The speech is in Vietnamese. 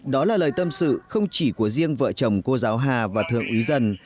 đó là lời tâm sự không chỉ của riêng vợ chồng cô giáo hà và thượng úy dần